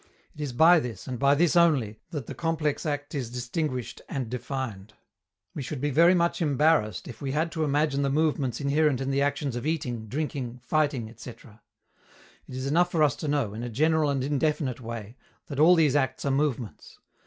It is by this, and by this only, that the complex act is distinguished and defined. We should be very much embarrassed if we had to imagine the movements inherent in the actions of eating, drinking, fighting, etc. It is enough for us to know, in a general and indefinite way, that all these acts are movements.